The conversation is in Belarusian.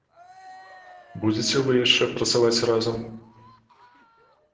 Будзеце вы яшчэ працаваць разам?